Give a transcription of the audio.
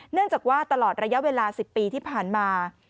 เนื่องจากว่าตลอดระยะเวลา๑๐ปีที่ผ่านมา